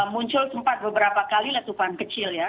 muncul sempat beberapa kali letupan kecil ya